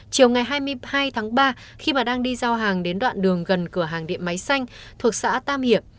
sau đó chiều ngày hai mươi hai ba khi đang đi giao hàng đến đoạn đường gần cửa hàng điện máy xanh thuộc xã tam hiệp